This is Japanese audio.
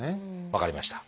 分かりました。